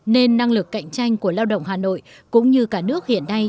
nên năng lực cạnh tranh của lao động hà nội cũng như cả nước hiện nay